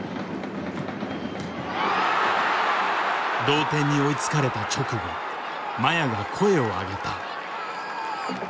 同点に追いつかれた直後麻也が声を上げた。